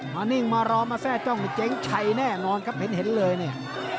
นิ่งมารอมาแทร่จ้องเจ๊งชัยแน่นอนครับเห็นเลยเนี่ย